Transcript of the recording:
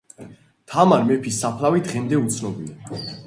თამარ მეფის საფლავი დღემდე უცნობია